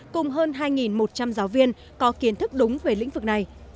cùng hơn hai một trăm linh giáo viên có kiến thức đúng về lĩnh vực này